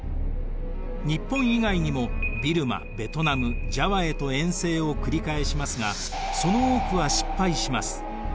日本以外にもビルマベトナムジャワへと遠征を繰り返しますがその多くは失敗します。